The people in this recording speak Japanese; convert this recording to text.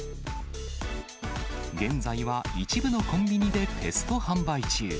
現在は一部のコンビニでテスト販売中。